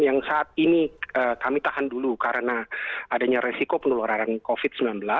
yang saat ini kami tahan dulu karena adanya resiko penularan covid sembilan belas